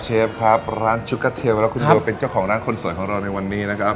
เชฟครับร้านชุดกระเทียมแล้วคุณบัวเป็นเจ้าของร้านคนสวยของเราในวันนี้นะครับ